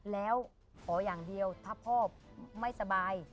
แล้วขออย่างเดียวถ้าพ่อไม่สบาย